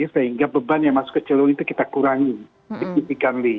sehingga beban yang masuk ke celung itu kita kurangi